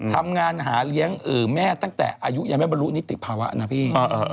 ทำงานหาเลี้ยงแม่ตั้งแต่อายุยังไม่บรรลุนิติภาวะนะพี่